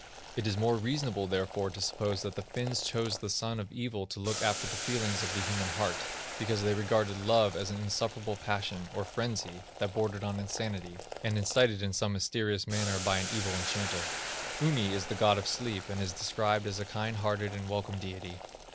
It is more reasonable therefore to suppose that the Finns chose the son of Evil to look after the feelings of the human heart, because they regarded love as an insufferable passion, or frenzy, that bordered on insanity, and incited in some mysterious manner by an evil enchanter. Uni is the god of sleep, and is described as a kind hearted and welcome deity.